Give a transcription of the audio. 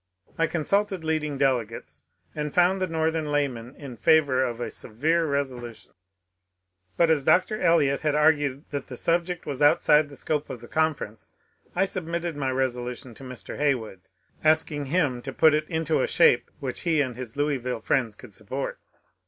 I con sulted leading delegates, and found the Northern laymen in favour of a severe resolution ; but as Dr. Eliot had argued that the subject was outside the scope of the conference, I submitted my resolution to Mr. Heywood, asking him to put it into a shape which he and his Louisville friends could sup port.